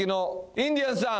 インディアンスさん